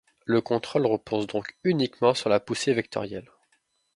Le contrôle repose donc uniquement sur la poussée vectorielle.